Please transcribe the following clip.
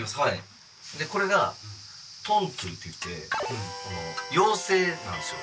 これがトントゥっていって妖精なんですよ